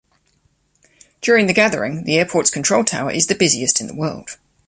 During the gathering, the airport's control tower is the busiest in the world.